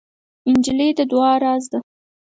نجلۍ د دعا راز ده.